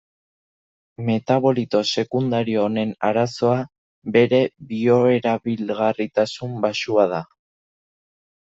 Metabolito sekundario honen arazoa bere bioerabilgarritasun baxua da.